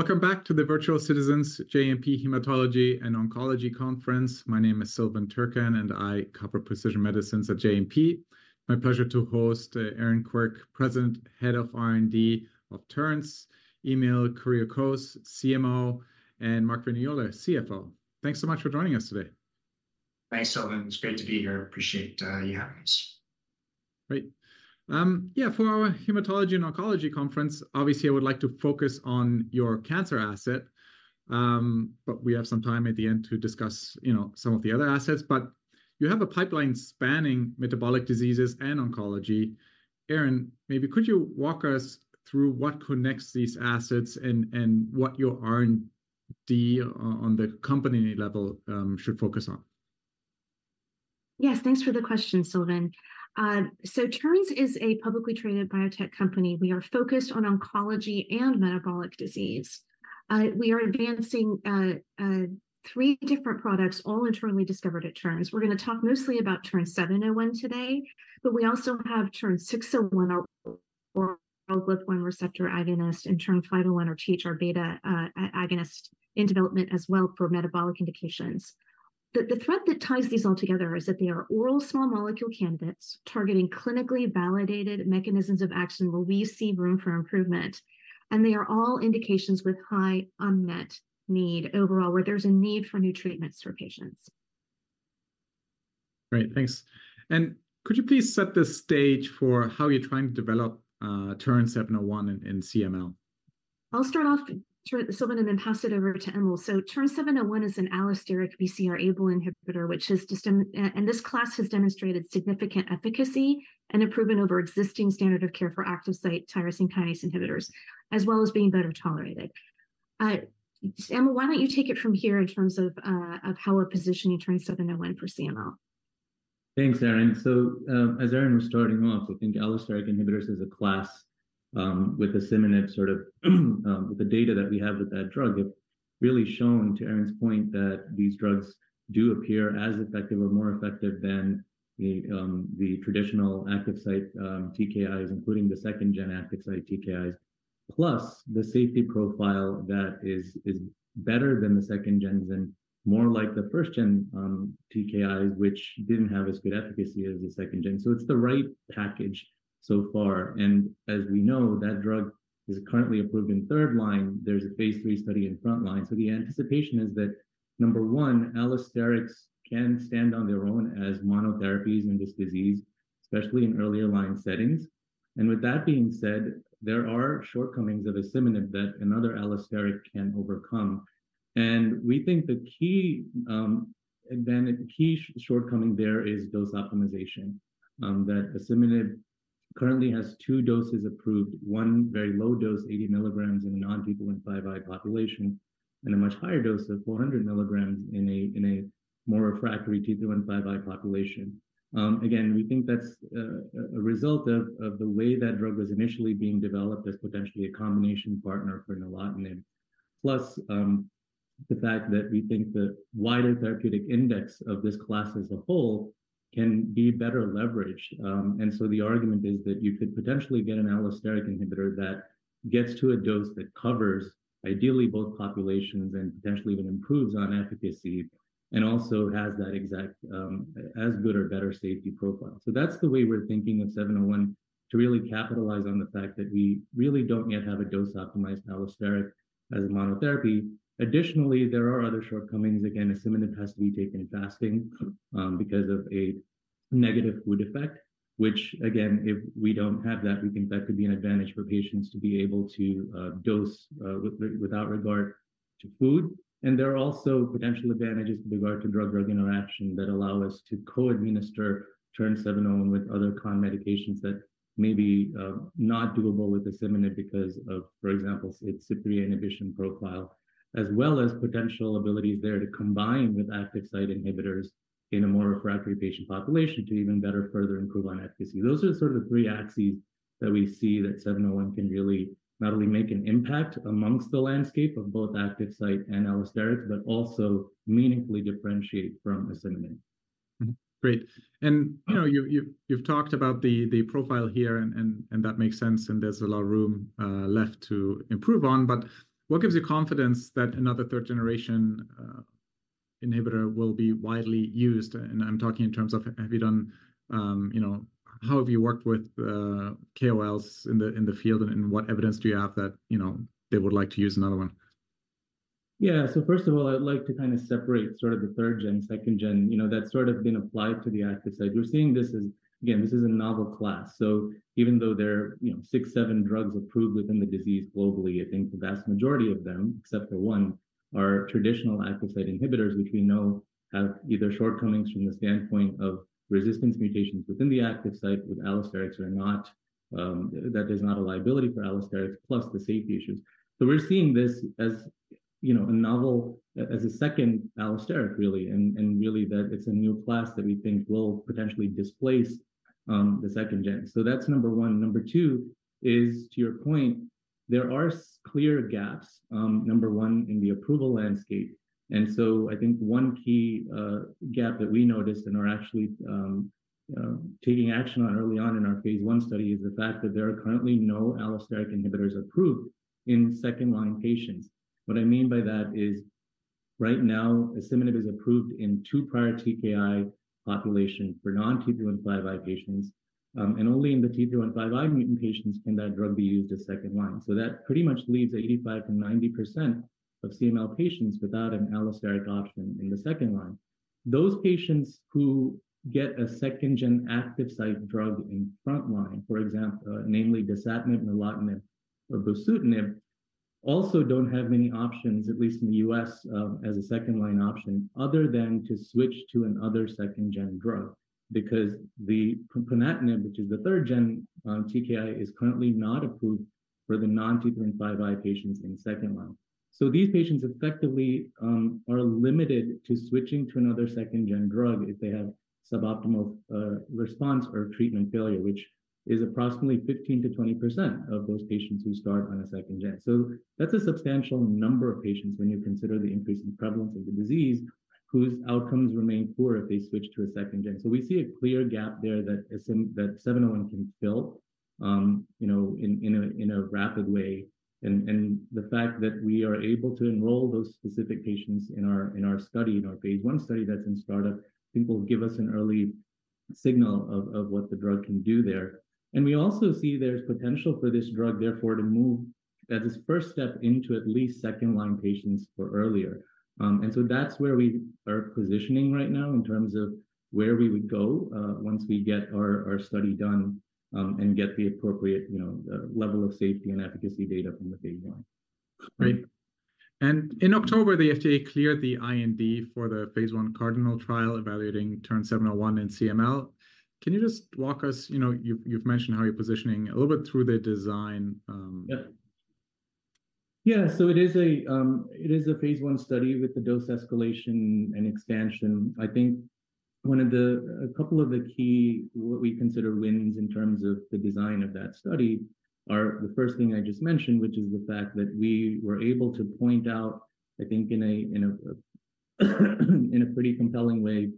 Welcome back to the Virtual Citizens JMP Hematology and Oncology Conference. My name is Silvan Tuerkcan, and I cover precision medicines at JMP. My pleasure to host Erin Quirk, President, Head of R&D of Terns; Emil Kuriakose, CMO; and Mark Vignola, CFO. Thanks so much for joining us today. Thanks, Silvan. It's great to be here. Appreciate you having us. Great. Yeah, for our Hematology and Oncology Conference, obviously, I would like to focus on your cancer asset. But we have some time at the end to discuss, you know, some of the other assets. But you have a pipeline spanning metabolic diseases and oncology. Erin, maybe could you walk us through what connects these assets and what your R&D on the company level should focus on? Yes, thanks for the question, Silvan. So Terns is a publicly traded biotech company. We are focused on oncology and metabolic disease. We are advancing three different products, all internally discovered at Terns. We're gonna talk mostly about TERN-701 today, but we also have TERN-601, a GLP-1 receptor agonist, and TERN-501, a THR-β agonist, in development as well for metabolic indications. The thread that ties these all together is that they are oral small molecule candidates targeting clinically validated mechanisms of action where we see room for improvement, and they are all indications with high unmet need overall, where there's a need for new treatments for patients. Great, thanks. Could you please set the stage for how you're trying to develop TERN-701 in CML? I'll start off, Silvan, and then pass it over to Emil. So TERN-701 is an allosteric BCR-ABL inhibitor, which has demonstrated and this class has demonstrated significant efficacy and improvement over existing standard of care for active site tyrosine kinase inhibitors, as well as being better tolerated. Emil, why don't you take it from here in terms of of how we're positioning TERN-701 for CML? Thanks, Erin. So, as Erin was starting off, I think allosteric inhibitors is a class, with asciminib sort of, with the data that we have with that drug, have really shown, to Erin's point, that these drugs do appear as effective or more effective than the, the traditional active site, TKIs, including the second gen active site TKIs, plus the safety profile that is, is better than the second gens and more like the first gen, TKIs, which didn't have as good efficacy as the second gen. So it's the right package so far. And as we know, that drug is currently approved in third line. There's a Phase III study in front line. So the anticipation is that, number one, allosterics can stand on their own as monotherapies in this disease, especially in earlier line settings. With that being said, there are shortcomings of asciminib that another allosteric can overcome. We think the key shortcoming there is dose optimization. Asciminib currently has two doses approved: one very low dose, 80 mg in a non-T315I population, and a much higher dose of 400 mg in a more refractory T315I population. Again, we think that's a result of the way that drug was initially being developed as potentially a combination partner for nilotinib, plus the fact that we think the wider therapeutic index of this class as a whole can be better leveraged. So the argument is that you could potentially get an allosteric inhibitor that gets to a dose that covers, ideally, both populations and potentially even improves on efficacy, and also has that exact, as good or better safety profile. So that's the way we're thinking of 701, to really capitalize on the fact that we really don't yet have a dose-optimized allosteric as a monotherapy. Additionally, there are other shortcomings. Again, asciminib has to be taken fasting, because of a negative food effect, which again, if we don't have that, we think that could be an advantage for patients to be able to dose without regard to food. There are also potential advantages with regard to drug-drug interaction that allow us to co-administer TERN-701 with other concomitant medications that may be not doable with asciminib because of, for example, its CYP3A inhibition profile, as well as potential abilities there to combine with active site inhibitors in a more refractory patient population to even better further improve on efficacy. Those are sort of the three axes that we see that 701 can really not only make an impact amongst the landscape of both active site and allosteric, but also meaningfully differentiate from asciminib. Mm-hmm. Great. And, you know, you've talked about the profile here, and that makes sense, and there's a lot of room left to improve on. But what gives you confidence that another third-generation inhibitor will be widely used? And I'm talking in terms of, have you done... You know, how have you worked with KOLs in the field, and what evidence do you have that, you know, they would like to use another one? Yeah. So first of all, I'd like to kind of separate sort of the third gen, second gen. You know, that's sort of been applied to the active site. We're seeing this as, again, this is a novel class. So even though there are, you know, six, seven drugs approved within the disease globally, I think the vast majority of them, except for one, are traditional active site inhibitors, which we know have either shortcomings from the standpoint of resistance mutations within the active site, with allosterics are not, that is not a liability for allosterics, plus the safety issues. So we're seeing this as, you know, a novel, as a second allosteric, really, and, and really that it's a new class that we think will potentially displace, the second gen. So that's number one. Number two is, to your point, there are clear gaps, number one, in the approval landscape. And so I think one key gap that we noticed and are actually taking action on early on in our phase I study, is the fact that there are currently no allosteric inhibitors approved in second-line patients. What I mean by that is. Right now, asciminib is approved in 2 prior TKI population for non-T315I patients, and only in the T315I mutant patients can that drug be used as second-line. So that pretty much leaves 85%-90% of CML patients without an allosteric option in the second-line. Those patients who get a second-gen active site drug in front line, for example, namely dasatinib, nilotinib, or bosutinib, also don't have many options, at least in the U.S., as a second-line option, other than to switch to another second-gen drug. Because the ponatinib, which is the third gen, TKI, is currently not approved for the non-T315I patients in second-line. So these patients effectively, are limited to switching to another second-gen drug if they have suboptimal, response or treatment failure, which is approximately 15%-20% of those patients who start on a second gen. So that's a substantial number of patients when you consider the increase in prevalence of the disease, whose outcomes remain poor if they switch to a second gen. So we see a clear gap there that 701 can fill, you know, in a rapid way. And the fact that we are able to enroll those specific patients in our study, in our phase 1 study that's in startup, I think will give us an early signal of what the drug can do there. And we also see there's potential for this drug, therefore, to move as its first step into at least second-line patients or earlier. And so that's where we are positioning right now in terms of where we would go, once we get our study done, and get the appropriate, you know, level of safety and efficacy data from the phase 1. Great. And in October, the FDA cleared the IND for the phase 1 CARDINAL trial evaluating TERN-701 in CML. Can you just walk us, you know, you've mentioned how you're positioning a little bit through the design, Yeah. Yeah, so it is a, it is a phase I study with the dose escalation and expansion. I think one of the... A couple of the key, what we consider wins in terms of the design of that study, are the first thing I just mentioned, which is the fact that we were able to point out, I think, in a, in a, in a pretty compelling way,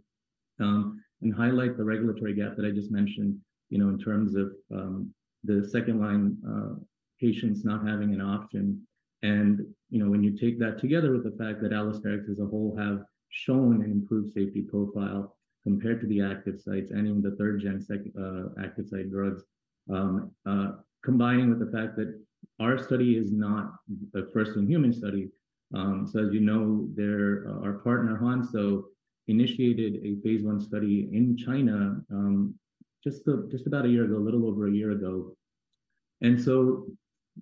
and highlight the regulatory gap that I just mentioned, you know, in terms of, the second-line, patients not having an option. You know, when you take that together with the fact that allosterics as a whole have shown an improved safety profile compared to the active sites and in the third gen sec- active site drugs, combining with the fact that our study is not a first-in-human study. So as you know, there, our partner, Hansoh, initiated a phase I study in China just about a year ago, a little over a year ago. So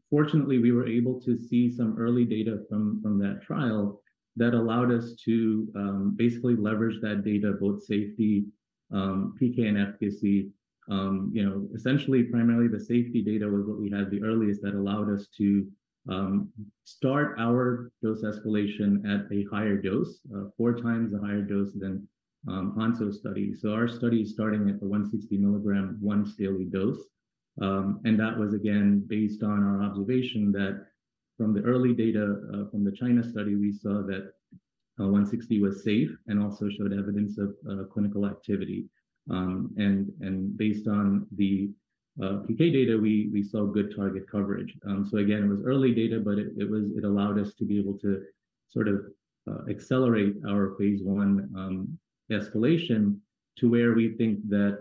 fortunately, we were able to see some early data from that trial that allowed us to basically leverage that data, both safety, PK, and efficacy. You know, essentially, primarily the safety data was what we had the earliest, that allowed us to start our dose escalation at a higher dose, four times the higher dose than Hansoh study. So our study is starting at the 160 mg once daily dose. And that was again, based on our observation that from the early data from the China study, we saw that 160 was safe and also showed evidence of clinical activity. And based on the PK data, we saw good target coverage. So again, it was early data, but it allowed us to be able to sort of accelerate our phase I escalation to where we think that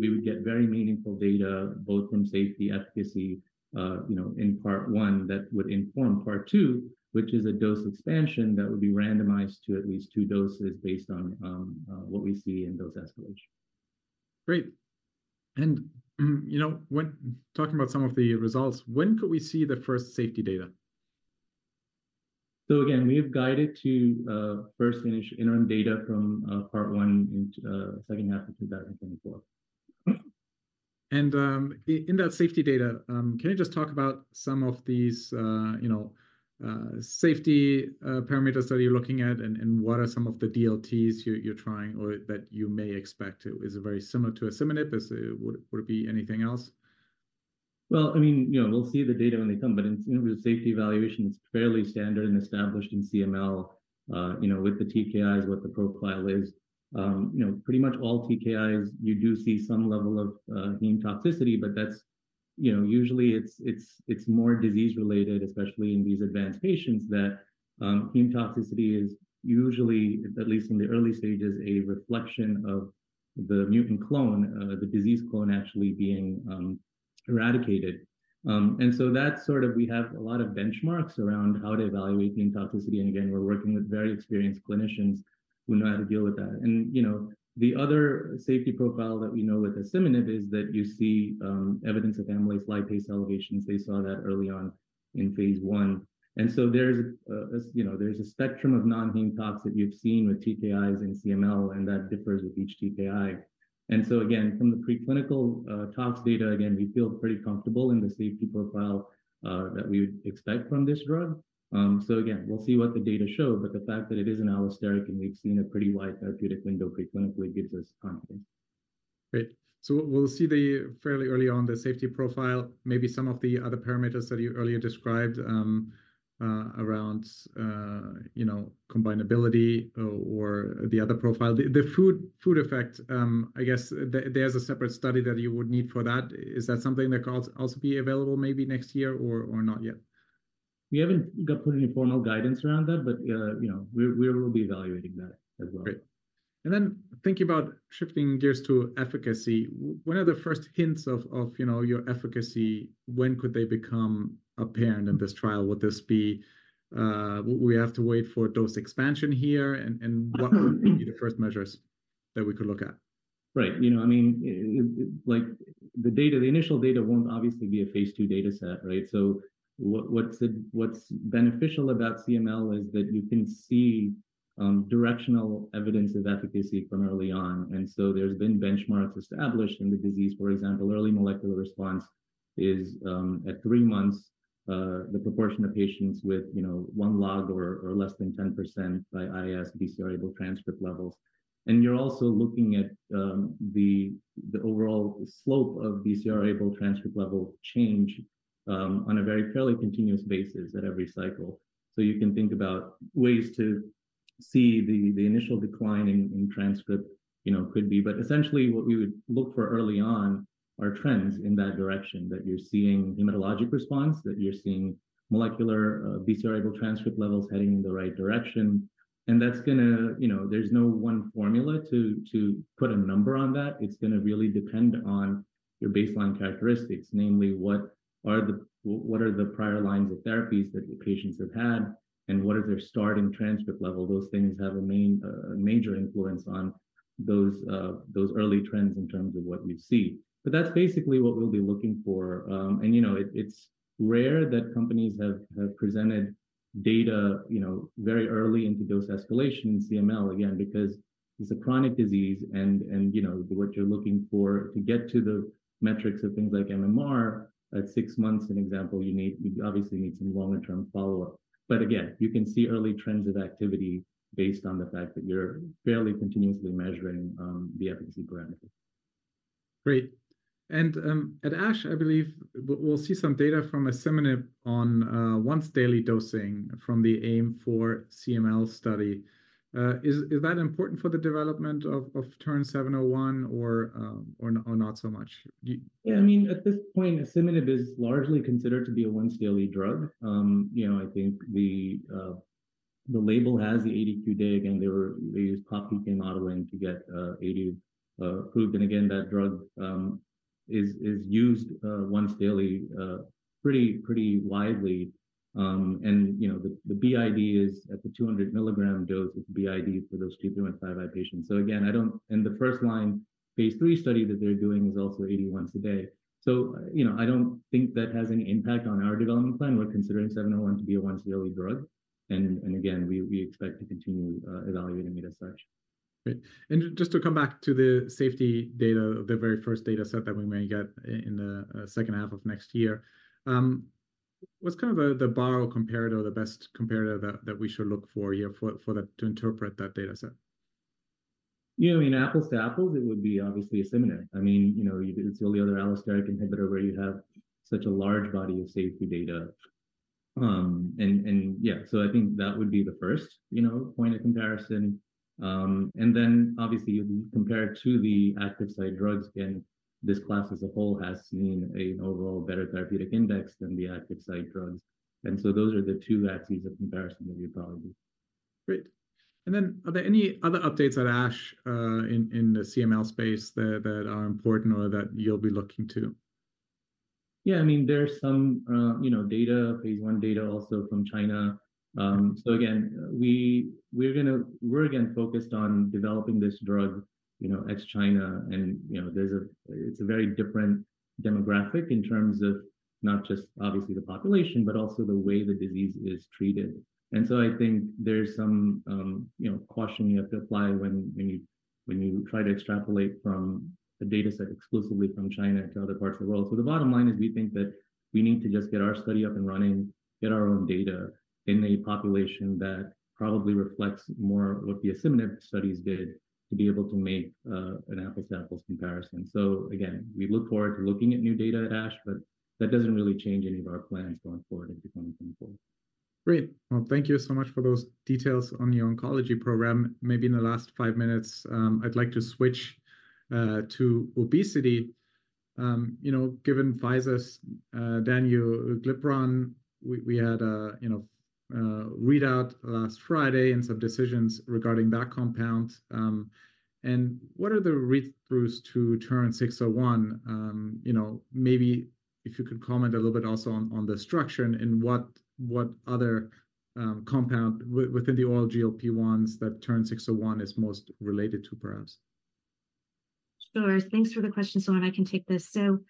we would get very meaningful data, both from safety, efficacy, you know, in part one that would inform part two, which is a dose expansion that would be randomized to at least two doses based on what we see in dose escalation. Great. You know, when talking about some of the results, when could we see the first safety data? So again, we have guided to first interim data from part one in second half of 2024. In that safety data, can you just talk about some of these, you know, safety parameters that you're looking at? And what are some of the DLTs you're trying or that you may expect to... Is it very similar to asciminib, is it, would it be anything else? Well, I mean, you know, we'll see the data when they come, but in, you know, the safety evaluation, it's fairly standard and established in CML, you know, with the TKIs, what the profile is. You know, pretty much all TKIs, you do see some level of, heme toxicity, but that's, you know, usually it's more disease-related, especially in these advanced patients, that, heme toxicity is usually, at least in the early stages, a reflection of the mutant clone, the disease clone actually being, eradicated. And so that's sort of we have a lot of benchmarks around how to evaluate the toxicity, and again, we're working with very experienced clinicians who know how to deal with that. And, you know, the other safety profile that we know with asciminib is that you see, evidence of amylase lipase elevations. They saw that early on in phase I. And so there's a you know, there's a spectrum of non-heme tox that you've seen with TKIs in CML, and that differs with each TKI. And so again, from the preclinical tox data, again, we feel pretty comfortable in the safety profile that we would expect from this drug. So again, we'll see what the data show, but the fact that it is an allosteric and we've seen a pretty wide therapeutic window preclinically gives us confidence. Great. So we'll see, fairly early on, the safety profile, maybe some of the other parameters that you earlier described, around, you know, combinability or the other profile. The food effect, I guess there's a separate study that you would need for that. Is that something that can also be available maybe next year or not yet? ... we haven't got put any formal guidance around that, but, you know, we will be evaluating that as well. Great. And then thinking about shifting gears to efficacy, what are the first hints of you know, your efficacy? When could they become apparent in this trial? Would this be, would we have to wait for dose expansion here? And what would be the first measures that we could look at? Right. You know, I mean, it—like, the data, the initial data won't obviously be a phase two data set, right? So what's beneficial about CML is that you can see directional evidence of efficacy from early on. And so there's been benchmarks established in the disease. For example, early molecular response is at three months the proportion of patients with, you know, one log or less than 10% by IS BCR-ABL transcript levels. And you're also looking at the overall slope of BCR-ABL transcript level change on a very fairly continuous basis at every cycle. So you can think about ways to see the initial decline in transcript, you know, could be. But essentially, what we would look for early on are trends in that direction, that you're seeing hematologic response, that you're seeing molecular BCR-ABL transcript levels heading in the right direction. That's gonna... You know, there's no one formula to put a number on that. It's gonna really depend on your baseline characteristics, namely, what are the prior lines of therapies that the patients have had, and what are their starting transcript level? Those things have a major influence on those early trends in terms of what we'd see. But that's basically what we'll be looking for. And, you know, it's rare that companies have presented data, you know, very early into dose escalation in CML, again, because it's a chronic disease, and, you know, what you're looking for to get to the metrics of things like MMR at six months, an example, you obviously need some longer-term follow-up. But again, you can see early trends of activity based on the fact that you're fairly continuously measuring the efficacy parameter. Great. And at ASH, I believe we'll see some data from asciminib on once-daily dosing from the ASC4FIRST study. Is that important for the development of TERN-701 or not, or not so much? Do- Yeah, I mean, at this point, asciminib is largely considered to be a once-daily drug. You know, I think the label has the 80 mg, and they used pop PK modeling to get QD approved. And again, that drug is used once daily pretty widely. And you know, the BID is at the 200 mg dose with BID for those two to five patients. So again, I don't, and the first-line phase 3 study that they're doing is also QD once a day. So, you know, I don't think that has any impact on our development plan. We're considering 701 to be a once-daily drug, and again, we expect to continue evaluating it as such. Great. And just to come back to the safety data, the very first data set that we may get in the second half of next year, what's kind of the broad comparator, or the best comparator that we should look for, yeah, for that to interpret that data set? You know, I mean, apples to apples, it would be obviously asciminib. I mean, you know, it's the only other allosteric inhibitor where you have such a large body of safety data. And so I think that would be the first, you know, point of comparison. And then obviously, compared to the active site drugs, again, this class as a whole has seen a overall better therapeutic index than the active site drugs. And so those are the two axes of comparison that you'd probably... Great. And then, are there any other updates at ASH in the CML space that are important or that you'll be looking to? Yeah, I mean, there's some, you know, data, phase one data also from China. So again, we're again focused on developing this drug, you know, ex-China and, you know, there's a, it's a very different demographic in terms of not just obviously the population, but also the way the disease is treated. And so I think there's some, you know, caution you have to apply when, when you, when you try to extrapolate from a data set exclusively from China to other parts of the world. So the bottom line is, we think that we need to just get our study up and running, get our own data in a population that probably reflects more what the asciminib studies did, to be able to make an apples to apples comparison. So again, we look forward to looking at new data at ASH, but that doesn't really change any of our plans going forward into 2024. Great. Well, thank you so much for those details on the oncology program. Maybe in the last five minutes, I'd like to switch to obesity. You know, given Pfizer's danuglipron, we had a you know, readout last Friday and some decisions regarding that compound. And what are the read-throughs to TERN-601? You know, maybe if you could comment a little bit also on the structure and what other compound within the oral GLP-1s that TERN-601 is most related to, perhaps? Sure. Thanks for the question, Silvan. I can take this. So,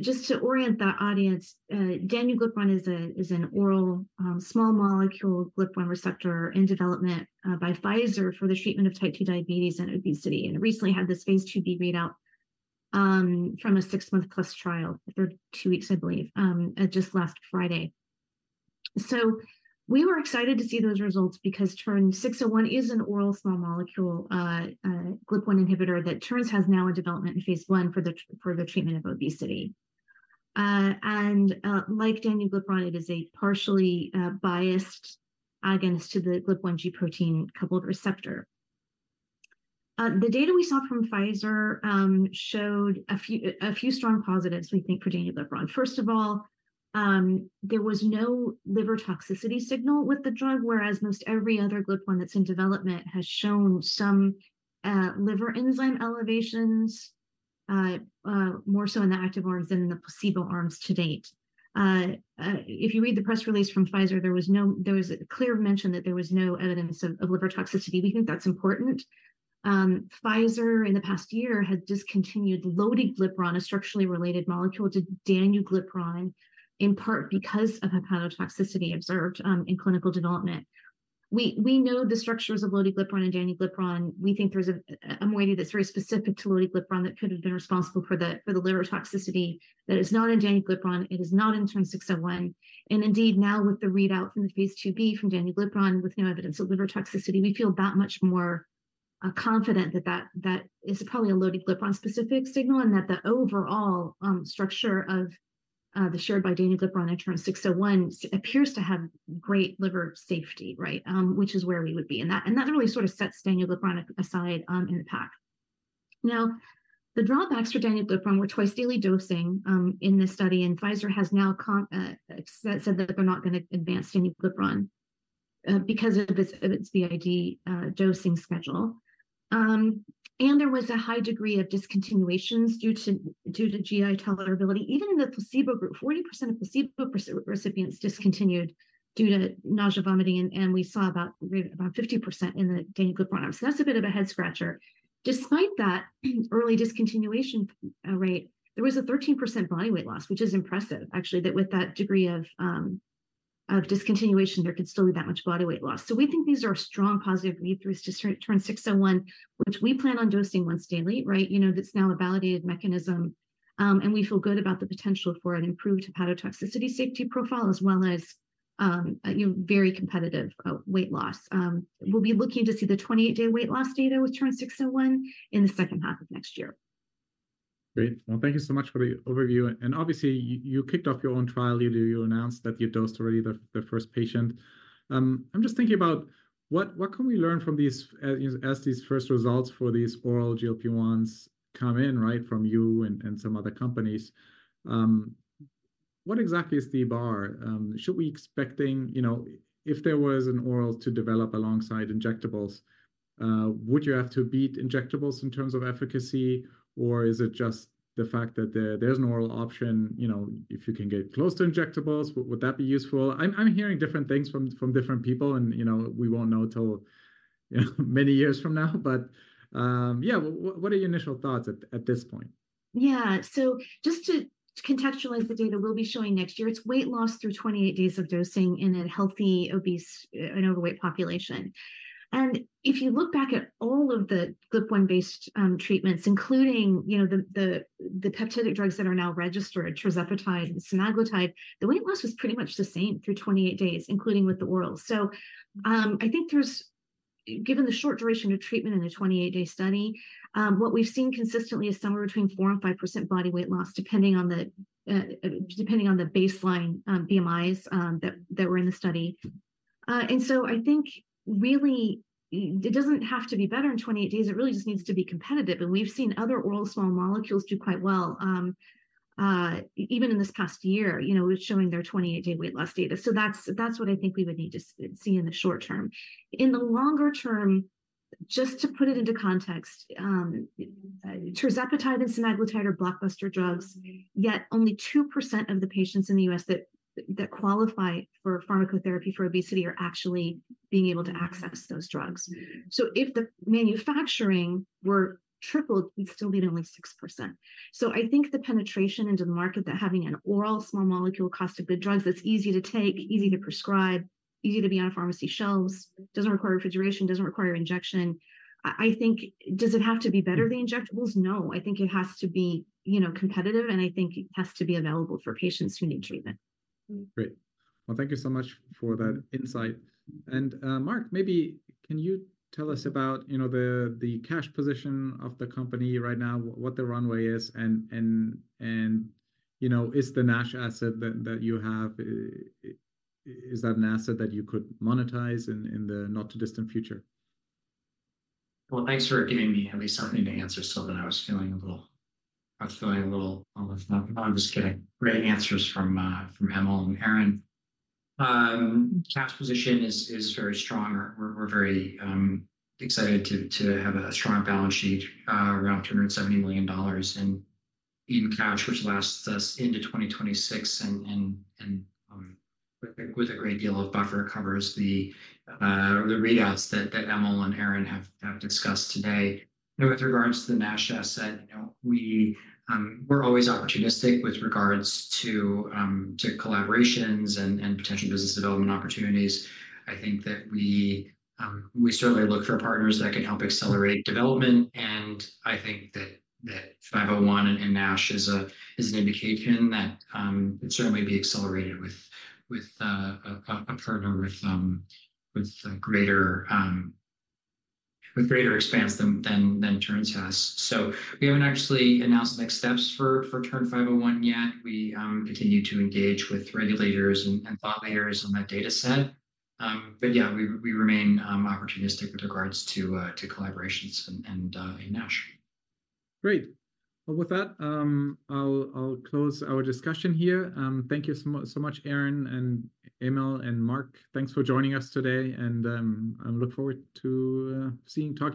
just to orient the audience, danuglipron is a, is an oral, small molecule GLP-1 receptor in development, by Pfizer for the treatment of type 2 diabetes and obesity, and recently had this phase 2b readout, from a six-month plus trial, or 2 weeks, I believe, just last Friday. So we were excited to see those results because TERN-601 is an oral small molecule, GLP-1 inhibitor that Terns has now in development in phase 1 for the treatment of obesity. And, like danuglipron, it is a partially biased agonist to the GLP-1 G protein-coupled receptor.... the data we saw from Pfizer, showed a few, a few strong positives, we think, for danuglipron. First of all, there was no liver toxicity signal with the drug, whereas most every other glipron that's in development has shown some liver enzyme elevations, more so in the active arms than in the placebo arms to date. If you read the press release from Pfizer, there was a clear mention that there was no evidence of liver toxicity. We think that's important. Pfizer, in the past year, had discontinued lotiglipron, a structurally related molecule to danuglipron, in part because of hepatotoxicity observed in clinical development. We know the structures of lotiglipron and danuglipron. We think there's a moiety that's very specific to lotiglipron that could have been responsible for the liver toxicity, that is not in danuglipron, it is not in TERN-601. Indeed, now with the readout from the phase 2b from danuglipron, with no evidence of liver toxicity, we feel that much more confident that that is probably a lotiglipron specific signal, and that the overall structure shared by danuglipron and TERN-601 appears to have great liver safety, right? Which is where we would be. That really sort of sets danuglipron aside in the pack. Now, the drawbacks for danuglipron were twice daily dosing in this study, and Pfizer has now said that they're not gonna advance danuglipron because of its BID dosing schedule. There was a high degree of discontinuations due to GI tolerability. Even in the placebo group, 40% of placebo recipients discontinued due to nausea, vomiting, and we saw about 50% in the danuglipron. So that's a bit of a head scratcher. Despite that early discontinuation rate, there was a 13% body weight loss, which is impressive, actually, that with that degree of discontinuation, there could still be that much body weight loss. So we think these are strong positive read-throughs to TERN-601, which we plan on dosing once daily, right? You know, that's now a validated mechanism. And we feel good about the potential for an improved hepatotoxicity safety profile, as well as a very competitive weight loss. We'll be looking to see the 28-day weight loss data with TERN-601 in the second half of next year. Great. Well, thank you so much for the overview. Obviously, you kicked off your own trial. You announced that you dosed already the first patient. I'm just thinking about what we can learn from these, as these first results for these oral GLP-1s come in, right, from you and some other companies? What exactly is the bar? Should we expecting, you know, if there was an oral to develop alongside injectables, would you have to beat injectables in terms of efficacy, or is it just the fact that there's an oral option, you know, if you can get close to injectables, would that be useful? I'm hearing different things from different people, and, you know, we won't know till many years from now. But, yeah, what are your initial thoughts at, at this point? Yeah. So just to contextualize the data we'll be showing next year, it's weight loss through 28 days of dosing in a healthy, obese, and overweight population. And if you look back at all of the GLP-1-based treatments, including, you know, the peptidic drugs that are now registered, tirzepatide and semaglutide, the weight loss was pretty much the same through 28 days, including with the orals. So, given the short duration of treatment in a 28-day study, what we've seen consistently is somewhere between 4%-5% body weight loss, depending on the baseline BMIs that were in the study. And so I think really it doesn't have to be better in 28 days, it really just needs to be competitive, and we've seen other oral small molecules do quite well, even in this past year, you know, showing their 28-day weight loss data. So that's, that's what I think we would need to see in the short term. In the longer term, just to put it into context, tirzepatide and semaglutide are blockbuster drugs, yet only 2% of the patients in the U.S. that, that qualify for pharmacotherapy for obesity are actually being able to access those drugs. So if the manufacturing were tripled, we'd still be at only 6%. So I think the penetration into the market that having an oral small molecule, cost of good drugs, that's easy to take, easy to prescribe, easy to be on pharmacy shelves, doesn't require refrigeration, doesn't require injection, I think... Does it have to be better than injectables? No, I think it has to be, you know, competitive, and I think it has to be available for patients who need treatment. Great. Well, thank you so much for that insight. And, Mark, maybe can you tell us about, you know, the cash position of the company right now, what the runway is, and, you know, is the NASH asset that you have, is that an asset that you could monetize in the not-too-distant future? Well, thanks for giving me at least something to answer, so that I was feeling a little... I was feeling a little left out. No, I'm just kidding. Great answers from Emil and Erin. Cash position is very strong. We're very excited to have a strong balance sheet, around $270 million in cash, which lasts us into 2026, and with a great deal of buffer covers the readouts that Emil and Erin have discussed today. With regards to the NASH asset, you know, we're always opportunistic with regards to collaborations and potential business development opportunities. I think that we certainly look for partners that can help accelerate development, and I think that 501 and NASH is an indication that it certainly be accelerated with a partner with greater expanse than TERN has. So we haven't actually announced next steps for TERN-501 yet. We continue to engage with regulators and thought leaders on that data set. But yeah, we remain opportunistic with regards to collaborations and in NASH. Great! Well, with that, I'll close our discussion here. Thank you so much, Erin and Emil, and Mark. Thanks for joining us today, and I look forward to seeing talks-